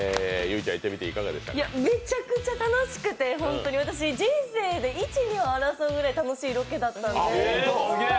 めちゃくちゃ楽しくてホントに私、人生で１、２を争うぐらい楽しいロケだったんで。